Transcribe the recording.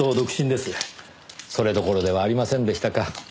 それどころではありませんでしたか。